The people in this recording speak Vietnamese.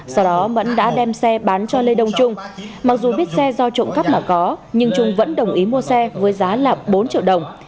sau đó mẫn đã đem xe bán cho lê đông trung mặc dù biết xe do trộm cắp mà có nhưng trung vẫn đồng ý mua xe với giá là bốn triệu đồng